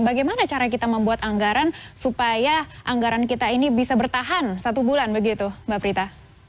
bagaimana cara kita membuat anggaran supaya anggaran kita ini bisa bertahan satu bulan begitu mbak prita